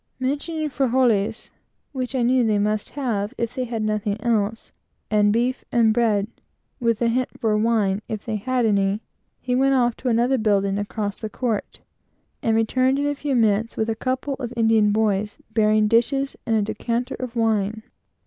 Mentioning frijoles, which I knew they must have if they had nothing else, and beef and bread, and a hint for wine, if they had any, he went off to another building, across the court, and returned in a few moments, with a couple of Indian boys, bearing dishes and a decanter of wine.